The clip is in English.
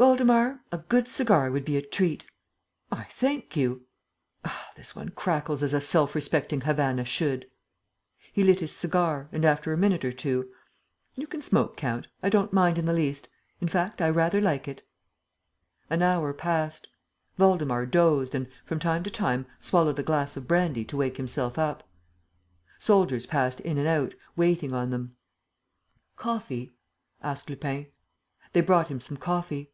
"Waldemar, a good cigar would be a treat. ... I thank you. ... Ah, this one crackles as a self respecting Havana should!" He lit his cigar and, after a minute or two: "You can smoke, count; I don't mind in the least; in fact, I rather like it." An hour passed. Waldemar dozed and, from time to time, swallowed a glass of brandy to wake himself up. Soldiers passed in and out, waiting on them. "Coffee," asked Lupin. They brought him some coffee.